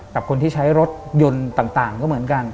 กับคนที่ใช้รถยนต์ต่างก็เหมือนกัน